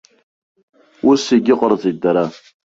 Ус егьыҟарҵеит дара.